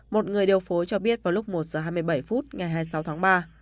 một người điều phối cho biết vào lúc một giờ hai mươi bảy phút ngày hai mươi sáu tháng ba